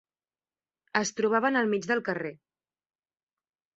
Es trobaven al mig del carrer.